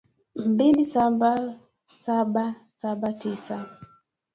mbili saba saba saba tisa